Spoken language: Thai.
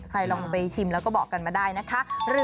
ลองไปชิมแล้วก็บอกกันมาได้นะคะ